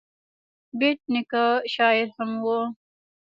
بېټ نیکه شاعر هم و.